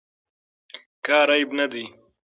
کار عیب نه دی.